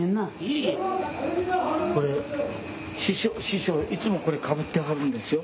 師匠いつもこれかぶってはるんですよ。